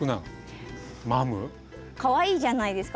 かわいいじゃないですか